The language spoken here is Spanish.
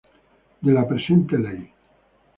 De la presente Ley.